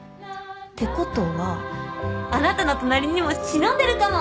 てことはあなたの隣にも忍んでるかも。